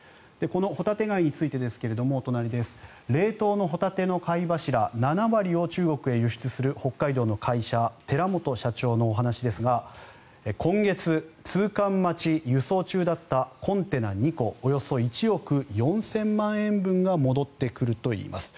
ホタテ貝についてですが冷凍のホタテの貝柱７割を中国へ輸出する北海道の会社寺本社長のお話ですが今月、通関待ち、輸送中だったコンテナ２個およそ１億４０００万円分が戻ってくるといいます。